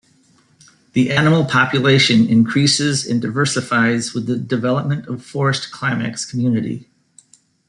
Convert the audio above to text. The animal population increases and diversifies with the development of forest climax community.